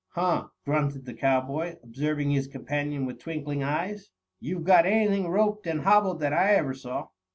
"Huh!" grunted the cowboy, observing his companion with twinkling eyes. "You've got anything roped and hobbled that I ever saw."